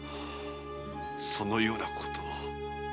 そのようなことを。